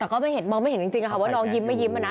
แต่ก็ไม่เห็นมองไม่เห็นจริงว่าน้องยิ้มไม่ยิ้มอะนะ